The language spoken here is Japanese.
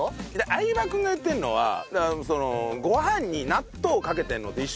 相葉君が言ってるのはご飯に納豆をかけてるのと一緒なのよ。